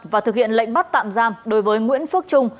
và thực hiện lệnh bắt tạm giam đối với nguyễn phước trung